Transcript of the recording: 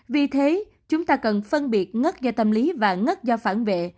vì thế chúng ta cần phân biệt ngất do tâm lý và ngất do phản vệ